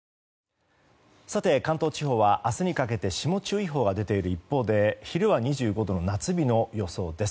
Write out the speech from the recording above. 関東地方は明日にかけて霜注意報が出ている一方で昼は２５度の夏日の予想です。